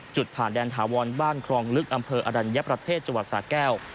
จุดผ่านแดนถาวรบ้านครองลึกอำเภออรัญญประเทศจังหวัดสาแก้ว